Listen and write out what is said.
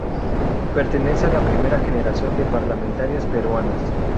Pertenece a la primera generación de parlamentarias peruanas.